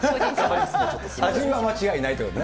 味は間違いないというね？